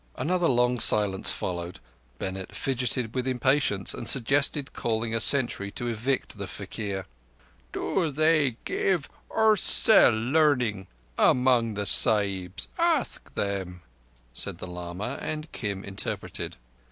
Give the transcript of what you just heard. Another long silence followed. Bennett fidgeted with impatience, and suggested calling a sentry to evict the faquir. "Do they give or sell learning among the Sahibs? Ask them," said the lama, and Kim interpreted.